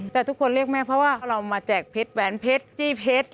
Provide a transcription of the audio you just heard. แต่ทุกคนเรียกแม่เพราะว่าเรามาแจกเพชรแหวนเพชรจี้เพชร